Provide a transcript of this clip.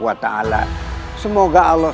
kita ada semua armada